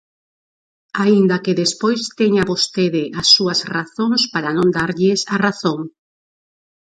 Aínda que despois teña vostede as súas razóns para non darlles a razón.